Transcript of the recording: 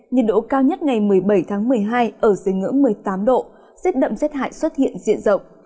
nhiệt độ cao nhất ngày một mươi bảy một mươi hai ở dưới ngưỡng một mươi tám độ rất đậm rất hại xuất hiện diện rộng